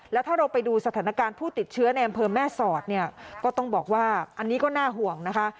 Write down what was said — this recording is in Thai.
แล้วถ้าเราไปดูสถานการณ์ผู้ติดเชื้อในอำเภอแม่สอดเนี่ยก็ต้องบอกว่าอันนี้ก็น่าห่วงนะคะ